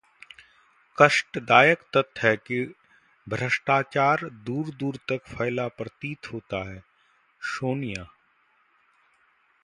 कष्टदायक तथ्य है कि भ्रष्टाचार दूर दूर तक फैला प्रतीत होता है: सोनिया